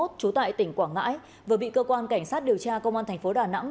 trú tại tỉnh quảng ngãi vừa bị cơ quan cảnh sát điều tra công an thành phố đà nẵng